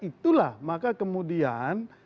itulah maka kemudian